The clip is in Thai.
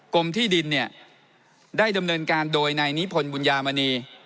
กรมที่ดินเนี่ยได้ดำเนินการโดยนายนิพนธ์บุญญามณี